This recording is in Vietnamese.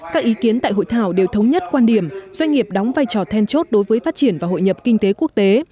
các ý kiến tại hội thảo đều thống nhất quan điểm doanh nghiệp đóng vai trò then chốt đối với phát triển và hội nhập kinh tế quốc tế